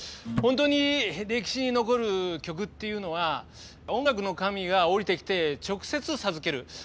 本当に歴史に残る曲っていうのは音楽の神が降りてきて直接授ける。